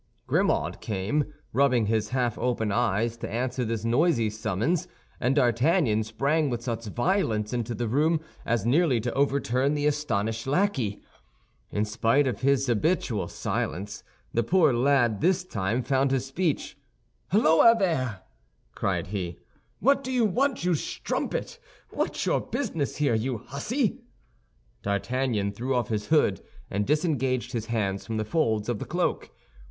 Grimaud came, rubbing his half open eyes, to answer this noisy summons, and D'Artagnan sprang with such violence into the room as nearly to overturn the astonished lackey. In spite of his habitual silence, the poor lad this time found his speech. "Holloa, there!" cried he; "what do you want, you strumpet? What's your business here, you hussy?" D'Artagnan threw off his hood, and disengaged his hands from the folds of the cloak.